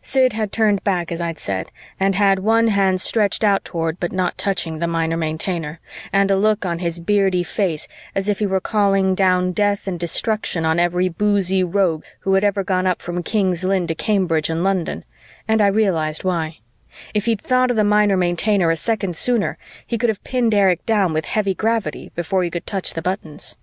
Sid had turned back, as I'd said, and had one hand stretched out toward but not touching the Minor Maintainer, and a look on his beardy face as if he were calling down death and destruction on every boozy rogue who had ever gone up from King's Lynn to Cambridge and London, and I realized why: if he'd thought of the Minor Maintainer a second sooner, he could have pinned Erich down with heavy gravity before he could touch the buttons.